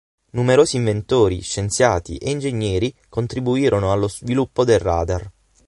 Numerosi inventori, scienziati e ingegneri contribuirono allo sviluppo del radar.